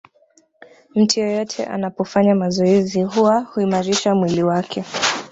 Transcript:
Mtu yeyote anapofanya mazoezi huwa huimarisha mwili wake